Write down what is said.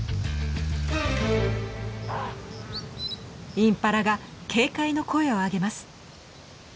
インパラが警戒の声をあげます。